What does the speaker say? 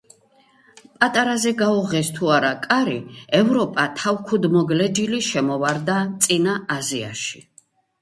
პატარაზე გაუღეს თუ არა კარი, ევროპა თავქუდმოგლეჯილი შემოვარდა წინა აზიაში.